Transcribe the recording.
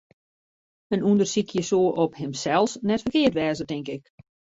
In ûndersykje soe op himsels net ferkeard wêze, tink ik.